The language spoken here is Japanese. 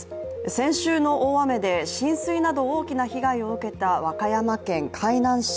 先週の大雨で浸水など大きな被害を受けた和歌山県海南市。